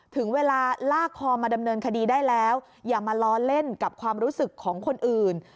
ถึงเวลาลากคอมาดำเนินคดีได้แล้วอย่ามาล้อเล่นกับความรู้สึกของคนอื่น